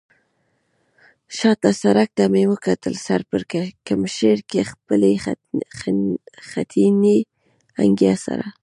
شا ته سړک ته مې وکتل، سر پړکمشر له خپلې خټینې انګیا سره.